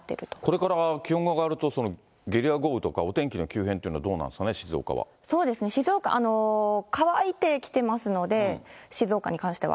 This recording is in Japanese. これから気温が上がると、ゲリラ豪雨とかお天気の急変というのはどうなんですかね、そうですね、静岡、乾いてきてますので、静岡に関しては。